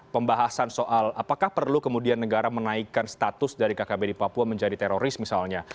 pembahasan soal apakah perlu kemudian negara menaikkan status dari kkb di papua menjadi teroris misalnya